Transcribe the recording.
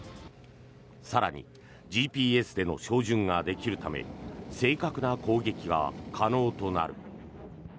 更にＧＰＳでの照準ができるため正確な攻撃が可能となる。